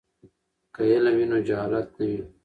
که علم وي نو جهالت نه وي.